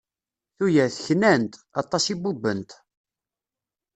Tuyat, knant. Aṭas i bubbent.